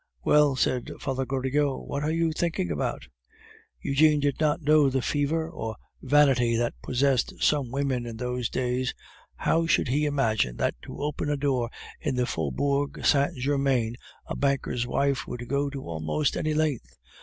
"Well," said Father Goriot, "what are you thinking about?" Eugene did not know the fever or vanity that possessed some women in those days; how should he imagine that to open a door in the Faubourg Saint Germain a banker's wife would go to almost any length.